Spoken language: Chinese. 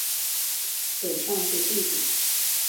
北尚是弟弟。